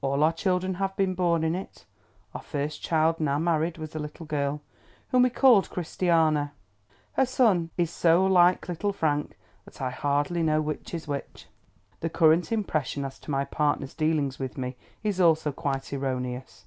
All our children have been born in it. Our first child—now married—was a little girl, whom we called Christiana. Her son is so like Little Frank, that I hardly know which is which. The current impression as to my partner's dealings with me is also quite erroneous.